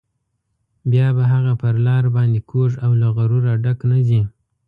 بیا به هغه پر لار باندې کوږ او له غروره ډک نه ځي.